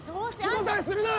口答えするな！